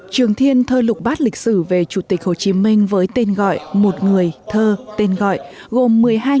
trường thiên thơ lục bát lịch sử về chủ tịch hồ chí minh với tên gọi một người thơ tên gọi gồm